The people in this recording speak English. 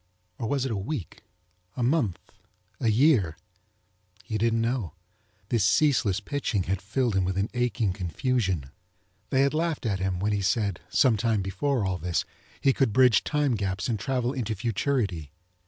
Or was it a week? A month? A year? He didn't know. This ceaseless pitching had filled him with an aching confusion. They had laughed at him when he said, some time before all this, he could bridge time gaps and travel into futurity.